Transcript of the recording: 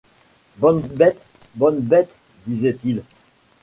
Bonne bête ! bonne bête ! disait-il.